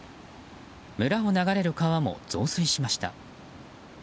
村を流れる川も増水しました。